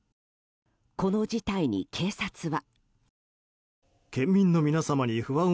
この事態に、警察は。